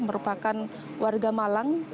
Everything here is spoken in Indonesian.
merupakan warga malang